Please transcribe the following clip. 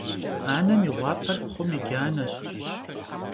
Anem yi ğuaper pxhum yi caneş.